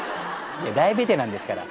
大ベテランですから。